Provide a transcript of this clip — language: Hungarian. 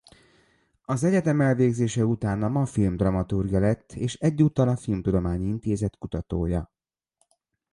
Az egyetem elvégzése után a Mafilm dramaturgja lett és egyúttal a Filmtudományi Intézet kutatója.